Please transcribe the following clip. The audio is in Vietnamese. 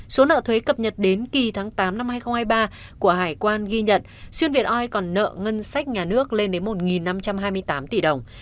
số nợ thuế cập nhật đến kỳ tháng tám năm hai nghìn hai mươi ba của hải quan ghi nhận xuyên việt oi còn nợ ngân sách nhà nước lên đến một năm trăm hai mươi tám tỷ đồng